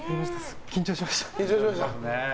緊張しました。